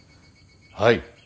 はい。